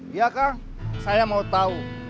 iya kak saya mau tahu